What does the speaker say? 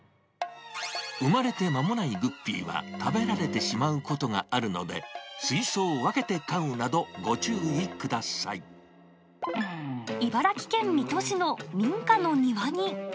産まれて間もないグッピーは食べられてしまうことがあるので、水槽を分けて飼うなど、茨城県水戸市の民家の庭に。